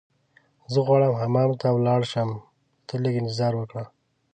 زه غواړم حمام ته ولاړ شم، ته لږ انتظار وکړه.